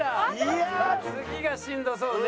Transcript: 次がしんどそうね。